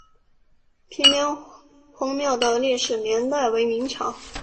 平凉隍庙的历史年代为明代。